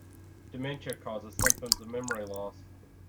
Dementia causes symptoms of memory loss.